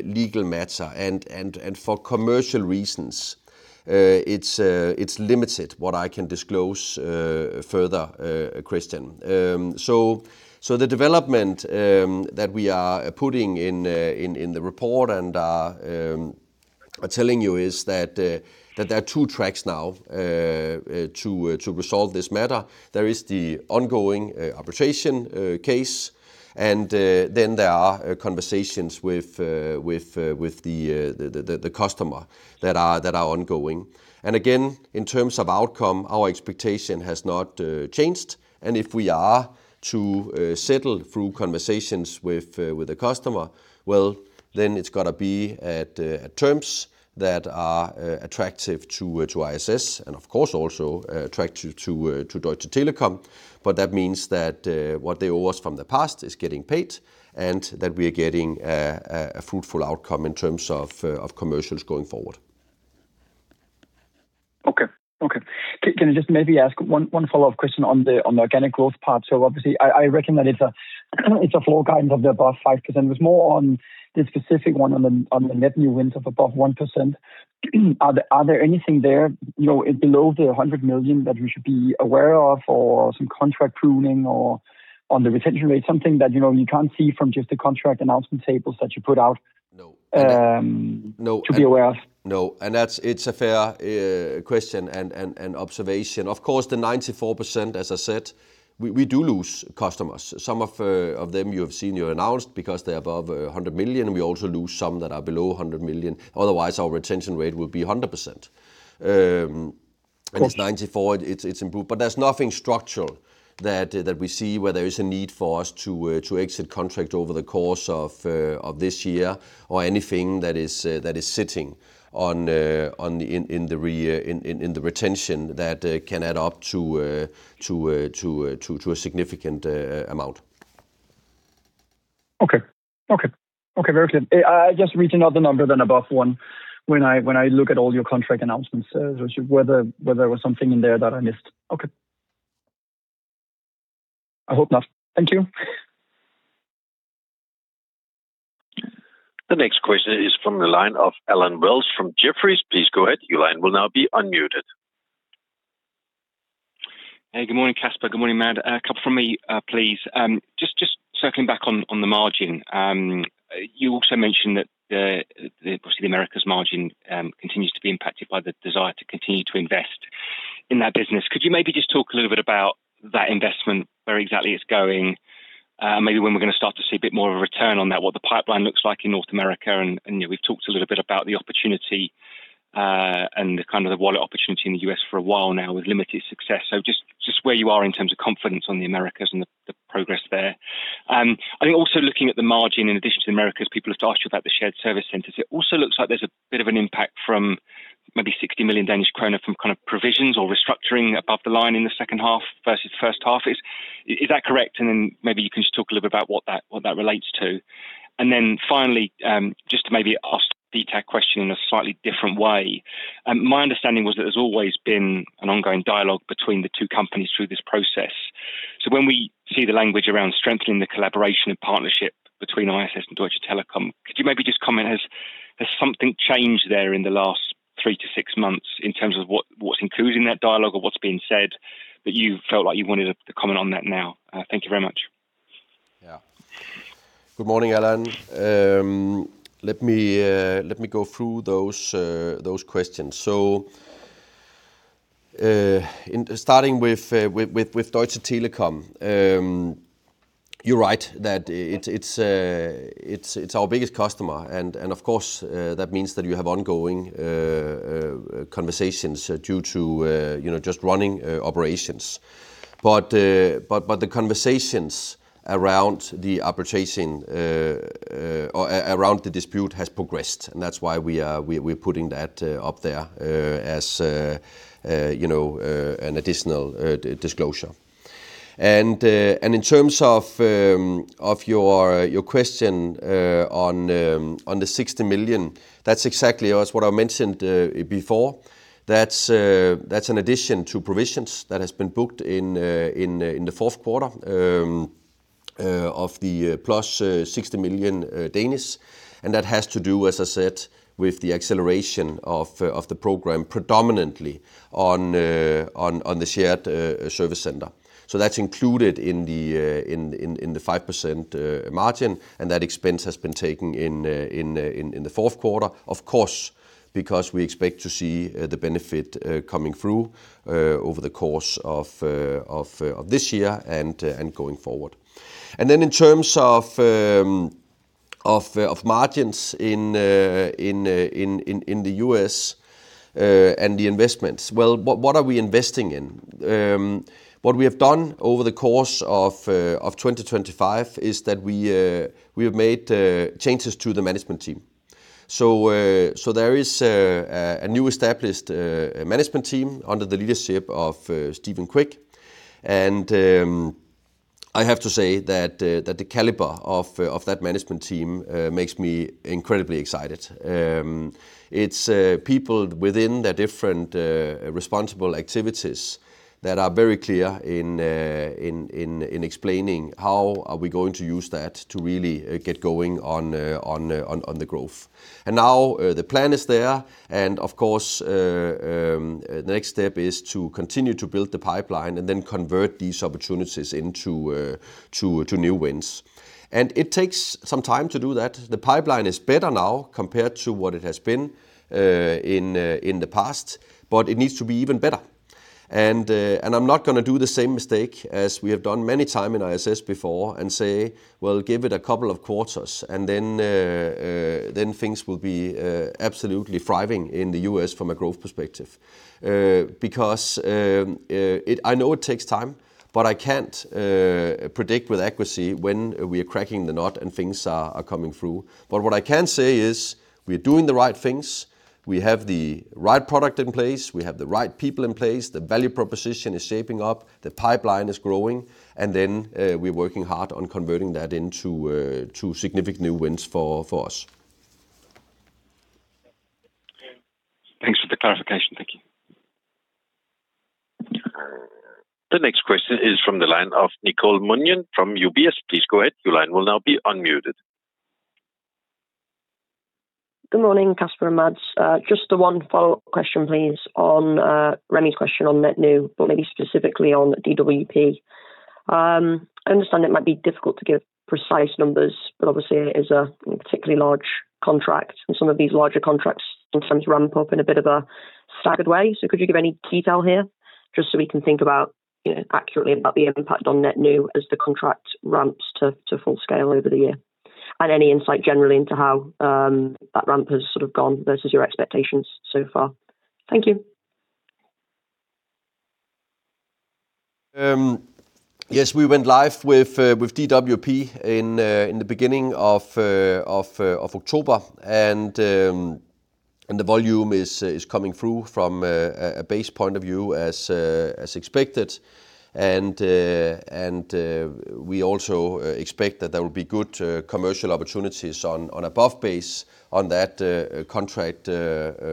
legal matter, and for commercial reasons, it's limited what I can disclose further, Christian. So the development that we are putting in the report and telling you is that there are two tracks now to resolve this matter. There is the ongoing arbitration case, and then there are conversations with the customer that are ongoing. Again, in terms of outcome, our expectation has not changed, and if we are to settle through conversations with the customer, well, then it's gotta be at terms that are attractive to ISS and of course, also attractive to Deutsche Telekom. But that means that what they owe us from the past is getting paid, and that we are getting a fruitful outcome in terms of commercials going forward. Okay. Okay, can I just maybe ask one follow-up question on the organic growth part? So obviously, I reckon that it's a floor guidance of above 5%. It was more on the specific one, on the net new wins of above 1%. Are there anything there, you know, below 100 million that we should be aware of, or some contract pruning or on the retention rate, something that, you know, you can't see from just the contract announcement tables that you put out? No. To be aware of? No, and that's... It's a fair question and observation. Of course, the 94%, as I said, we do lose customers. Some of them you have seen, you announced because they're above 100 million, and we also lose some that are below 100 million. Otherwise, our retention rate will be 100%. Of course. It's 94, it's improved, but there's nothing structural that we see where there is a need for us to exit contract over the course of this year or anything that is sitting in the retention that can add up to a significant amount. Okay. Okay. Okay, very clear. I just read another number than above one when I look at all your contract announcements, so whether there was something in there that I missed. Okay. I hope not. Thank you. The next question is from the line of Alan Wells from Jefferies. Please go ahead. Your line will now be unmuted.... Hey, good morning, Kasper. Good morning, Mads. A couple from me, please. Just circling back on the margin. You also mentioned that the, obviously, the Americas margin continues to be impacted by the desire to continue to invest in that business. Could you maybe just talk a little bit about that investment, where exactly it's going? Maybe when we're going to start to see a bit more of a return on that, what the pipeline looks like in North America. And you know, we've talked a little bit about the opportunity, and the kind of the wallet opportunity in the US for a while now with limited success. So just where you are in terms of confidence on the Americas and the progress there. I think also looking at the margin in addition to the Americas, people have asked you about the shared service centers. It also looks like there's a bit of an impact from maybe 60 million Danish kroner from kind of provisions or restructuring above the line in the second half versus first half. Is, is that correct? And then maybe you can just talk a little bit about what that, what that relates to. And then finally, just to maybe ask the detail question in a slightly different way. My understanding was that there's always been an ongoing dialogue between the two companies through this process. So when we see the language around strengthening the collaboration and partnership between ISS and Deutsche Telekom, could you maybe just comment, has something changed there in the last 3-6 months in terms of what's included in that dialogue or what's being said, that you felt like you wanted to comment on that now? Thank you very much. Yeah. Good morning, Alan. Let me go through those questions. So, starting with Deutsche Telekom, you're right, that it's our biggest customer, and of course, that means that you have ongoing conversations due to, you know, just running operations. But the conversations around the arbitration or around the dispute has progressed, and that's why we're putting that up there as, you know, an additional disclosure. And in terms of your question on the 60 million, that's exactly as what I mentioned before. That's an addition to provisions that has been booked in the fourth quarter of the +60 million. And that has to do, as I said, with the acceleration of the program, predominantly on the shared service center. So that's included in the 5% margin, and that expense has been taken in the fourth quarter. Of course, because we expect to see the benefit coming through over the course of this year and going forward. And then in terms of margins in the U.S. and the investments, well, what are we investing in? What we have done over the course of 2025 is that we have made changes to the management team. So, so there is a new established management team under the leadership of Stephen Quick. And I have to say that the caliber of that management team makes me incredibly excited. It's people within the different responsible activities that are very clear in explaining how we are going to use that to really get going on the growth. And now the plan is there, and of course, the next step is to continue to build the pipeline and then convert these opportunities into new wins. And it takes some time to do that. The pipeline is better now compared to what it has been in the past, but it needs to be even better. And I'm not going to do the same mistake as we have done many time in ISS before and say, "Well, give it a couple of quarters, and then then things will be absolutely thriving in the U.S. from a growth perspective." Because I know it takes time, but I can't predict with accuracy when we are cracking the nut and things are coming through. But what I can say is, we're doing the right things. We have the right product in place, we have the right people in place, the value proposition is shaping up, the pipeline is growing, and then, we're working hard on converting that into, to significant new wins for us. Thanks for the clarification. Thank you. The next question is from the line of Nicole Munion from UBS. Please go ahead. Your line will now be unmuted. Good morning, Kasper and Mads. Just the one follow-up question, please, on Remy's question on net new, but maybe specifically on DWP. I understand it might be difficult to give precise numbers, but obviously, it is a particularly large contract, and some of these larger contracts sometimes ramp up in a bit of a staggered way. So could you give any detail here, just so we can think about, you know, accurately about the impact on net new as the contract ramps to full scale over the year? And any insight generally into how that ramp has sort of gone versus your expectations so far. Thank you. Yes, we went live with DWP in the beginning of October. And the volume is coming through from a base point of view, as expected. And we also expect that there will be good commercial opportunities on above base on that contract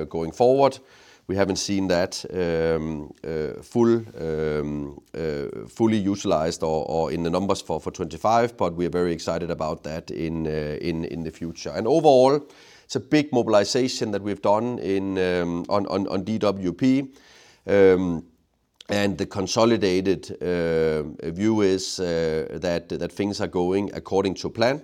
going forward. We haven't seen that fully utilized or in the numbers for 2025, but we're very excited about that in the future. And overall, it's a big mobilization that we've done on DWP. And the consolidated view is that things are going according to plan.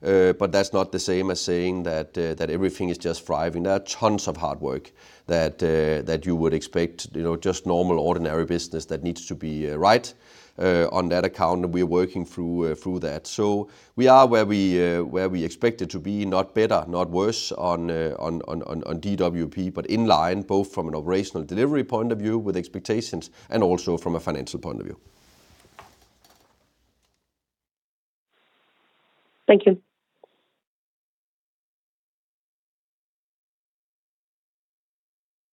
But that's not the same as saying that everything is just thriving. There are tons of hard work that you would expect, you know, just normal, ordinary business that needs to be right. On that account, we're working through that. So we are where we expected to be, not better, not worse, on DWP, but in line, both from an operational delivery point of view with expectations and also from a financial point of view. Thank you.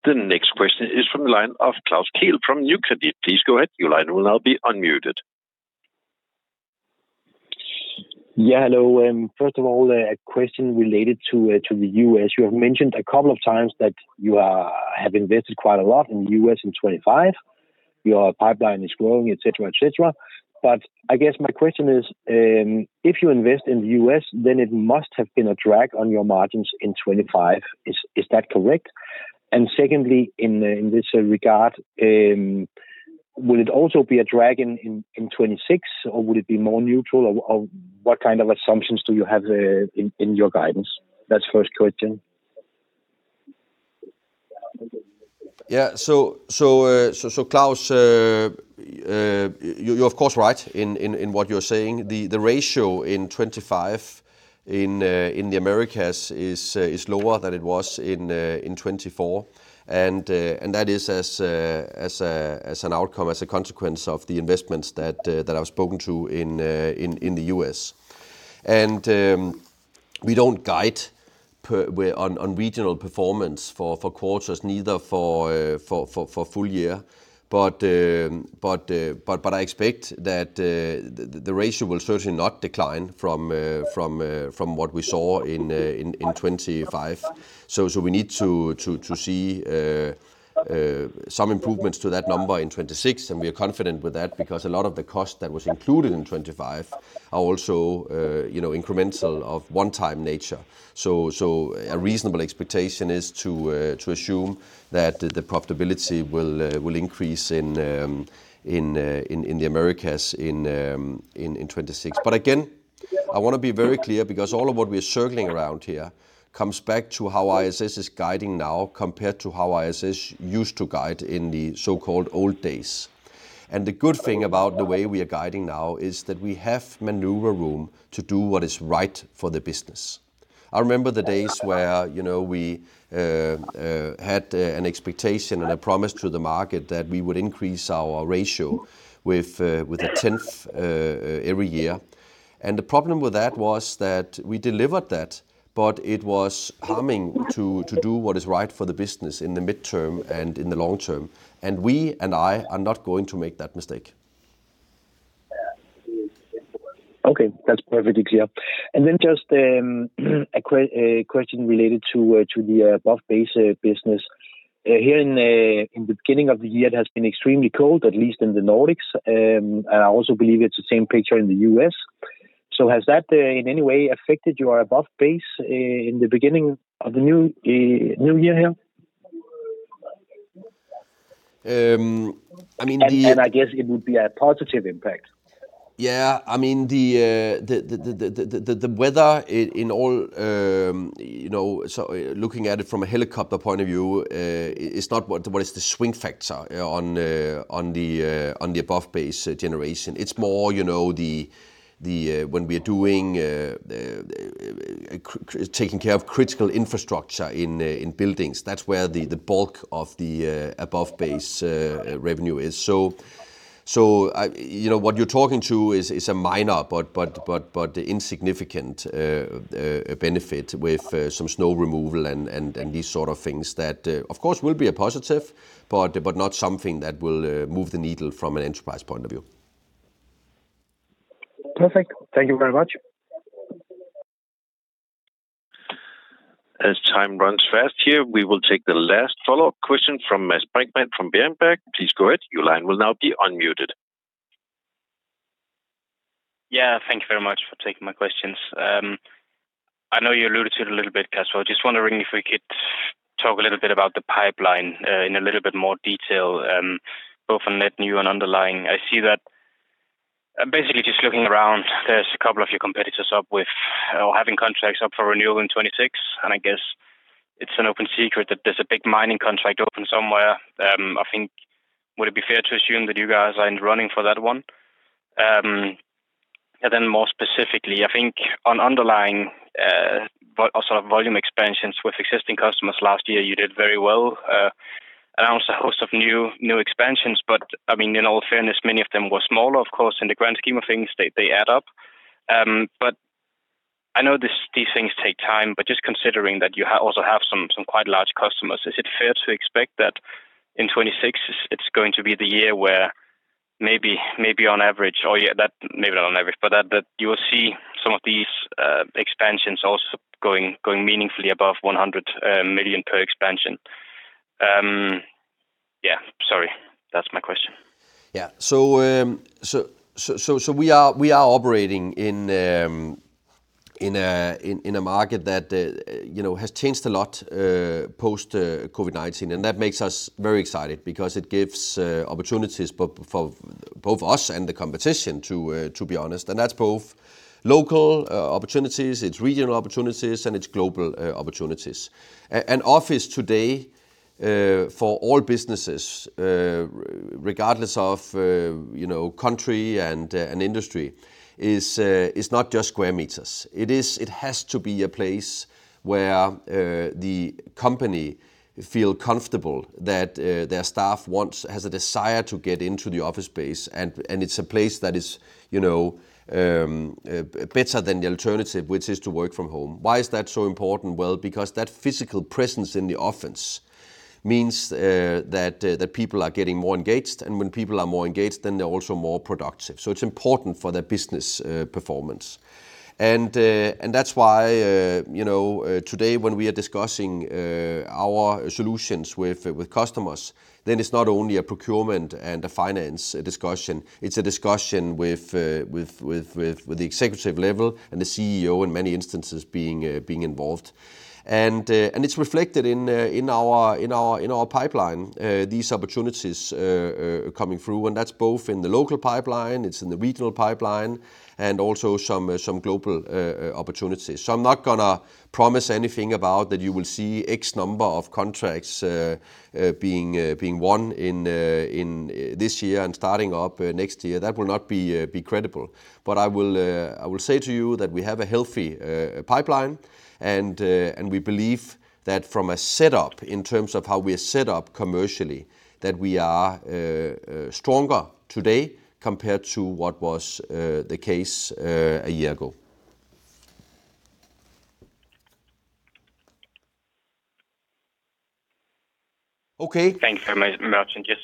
The next question is from the line of Klaus Kehl from Nordea. Please go ahead. Your line will now be unmuted. Yeah, hello. First of all, a question related to the US. You have mentioned a couple of times that you are, have invested quite a lot in the US in 2025. Your pipeline is growing, et cetera, et cetera. But I guess my question is, if you invest in the US, then it must have been a drag on your margins in 2025. Is that correct? And secondly, in this regard, will it also be a drag in 2026, or would it be more neutral? Or what kind of assumptions do you have in your guidance? That's first question. Yeah. So, Klaus, you're of course right in what you're saying. The ratio in 2025 in the Americas is lower than it was in 2024. And that is as an outcome, as a consequence of the investments that I've spoken to in the US. And we don't guide per- on regional performance for quarters, neither for full year. But I expect that the ratio will certainly not decline from what we saw in 2025. So we need to see some improvements to that number in 2026, and we are confident with that because a lot of the cost that was included in 2025 are also, you know, incremental of one-time nature. So a reasonable expectation is to assume that the profitability will increase in the Americas in 2026. But again, I want to be very clear, because all of what we are circling around here comes back to how ISS is guiding now, compared to how ISS used to guide in the so-called old days. And the good thing about the way we are guiding now is that we have maneuver room to do what is right for the business. I remember the days where, you know, we had an expectation and a promise to the market that we would increase our ratio with a tenth every year. The problem with that was that we delivered that, but it was harming to do what is right for the business in the midterm and in the long term, and we and I are not going to make that mistake. Okay, that's perfectly clear. And then just a question related to the above-base business. Here in the beginning of the year, it has been extremely cold, at least in the Nordics, and I also believe it's the same picture in the U.S. So has that in any way affected your above-base in the beginning of the new year here? I mean, And I guess it would be a positive impact. Yeah. I mean, the weather in all, you know, so looking at it from a helicopter point of view, is not what is the swing factor on the above-base generation. It's more, you know, when we're doing taking care of critical infrastructure in buildings. That's where the bulk of the above-base revenue is. So, I... You know, what you're talking to is a minor, but insignificant benefit with some snow removal and these sort of things that of course will be a positive, but not something that will move the needle from an enterprise point of view. Perfect. Thank you very much. As time runs fast here, we will take the last follow-up question from Ms. Brinkman from Berenberg. Please go ahead. Your line will now be unmuted. Yeah. Thank you very much for taking my questions. I know you alluded to it a little bit, so I just wondering if we could talk a little bit about the pipeline, in a little bit more detail, both on net new and underlying. I see that, basically just looking around, there's a couple of your competitors up with or having contracts up for renewal in 2026, and I guess it's an open secret that there's a big mining contract open somewhere. I think, would it be fair to assume that you guys are in running for that one? And then more specifically, I think on underlying, v- or sort of volume expansions with existing customers last year, you did very well, announced a host of new, new expansions. But I mean, in all fairness, many of them were small, of course, in the grand scheme of things they add up. But I know these things take time, but just considering that you also have some quite large customers, is it fair to expect that in 2026, it's going to be the year where maybe on average, or yeah, that maybe not on average, but that you will see some of these expansions also going meaningfully above 100 million per expansion? Yeah, sorry, that's my question. Yeah. So, we are operating in a market that, you know, has changed a lot post COVID-19, and that makes us very excited because it gives opportunities for both us and the competition, to be honest, and that's both local opportunities, it's regional opportunities, and it's global opportunities. An office today for all businesses, regardless of, you know, country and industry, is not just square meters. It is—it has to be a place where the company feel comfortable that their staff wants, has a desire to get into the office space, and it's a place that is, you know, better than the alternative, which is to work from home. Why is that so important? Well, because that physical presence in the office means that people are getting more engaged, and when people are more engaged, then they're also more productive, so it's important for their business performance. That's why, you know, today, when we are discussing our solutions with customers, then it's not only a procurement and a finance discussion. It's a discussion with the executive level and the CEO in many instances being involved. It's reflected in our pipeline, these opportunities coming through, and that's both in the local pipeline, it's in the regional pipeline, and also some global opportunities. So I'm not gonna promise anything about that you will see X number of contracts being won in this year and starting up next year. That will not be credible. But I will say to you that we have a healthy pipeline, and we believe that from a setup, in terms of how we are set up commercially, that we are stronger today compared to what was the case a year ago. Okay. Thank you very much, and yes.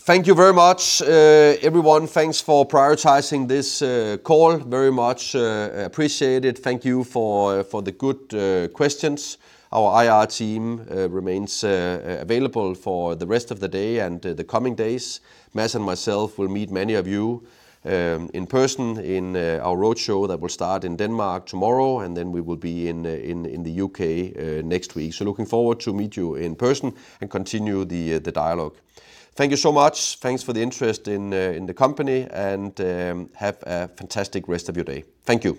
Thank you very much, everyone. Thanks for prioritizing this call, very much appreciated. Thank you for the good questions. Our IR team remains available for the rest of the day and the coming days. Mads and myself will meet many of you in person in our roadshow that will start in Denmark tomorrow, and then we will be in the UK next week. So looking forward to meet you in person and continue the dialogue. Thank you so much. Thanks for the interest in the company, and have a fantastic rest of your day. Thank you.